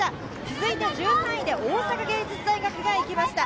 続いて、１３位で大阪芸術大学が行きました。